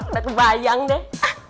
udah kebayang deh